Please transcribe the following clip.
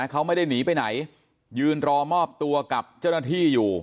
เขาไม่ได้หนีไปไหนยืนรอมอบตัวกับเจ้าหน้าที่อยู่